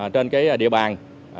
trên cái địa bàn